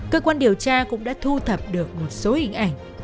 cơ quan điều tra cũng đã thu thập được một số hình ảnh